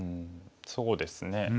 そうですね。